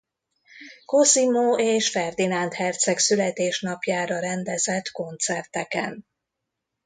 Cosimo és Ferdinánd herceg születésnapjára rendezett koncerteken.